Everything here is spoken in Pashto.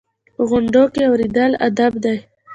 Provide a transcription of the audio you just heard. په غونډو کې اورېدل ادب دی.